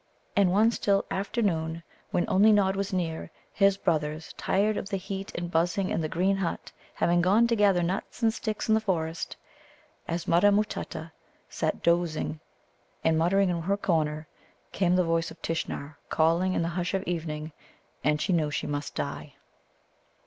And one still afternoon, when only Nod was near (his brothers, tired of the heat and buzzing in the green hut, having gone to gather nuts and sticks in the forest), as Mutta matutta sat dozing and muttering in her corner, came the voice of Tishnar, calling in the hush of evening: and she knew she must die.